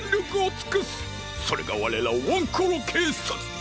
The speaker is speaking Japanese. それがわれらワンコロけいさつ！